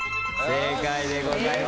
正解でございます。